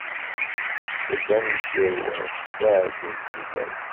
Ssebba n tirwas, d aɛaddi n tilas.